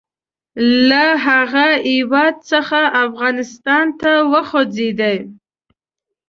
له هغه هیواد څخه افغانستان ته وخوځېدی.